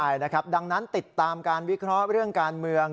ใช่นะครับดังนั้นติดตามการวิเคราะห์เรื่องการเมือง